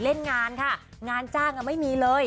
เพราะว่าฉันจะฟังต่อ